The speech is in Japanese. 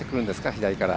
左から。